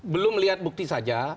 belum melihat bukti saja